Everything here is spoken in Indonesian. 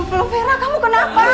ya allah vera kamu kenapa